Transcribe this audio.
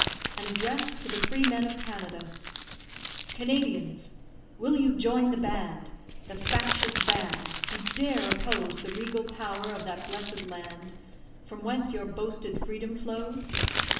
AN ADDRESS TO THE FREEMEN OF CANADA Canadians! will you join the band The factious band who dare oppose The regal power of that bless'd land From whence your boasted freedom flows?